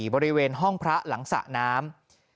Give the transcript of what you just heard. บริเวณห้องพระหลังสระน้ำ